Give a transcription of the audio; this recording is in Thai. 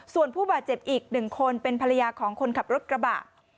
ส่วนผู้บาดเจ็บอีก๑คนเป็นภรรยาของคนขับรถกระบะ